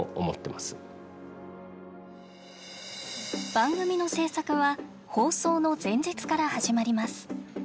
番組の制作は放送の前日から始まります。